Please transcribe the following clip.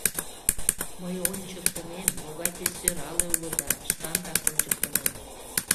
Мый ончыктынем, могай те сӧрале улыда, шкандак ончыктынем.